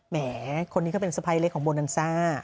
แหมคนนี้เขาเป็นสะพ้ายเล็กของโบนันซ่า